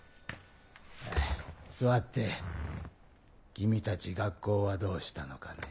君たち学校はどうしたのかね？